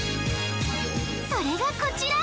それがこちら。